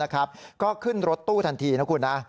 ก็ขึ้นรถตู้ทันทีนะคุณนะ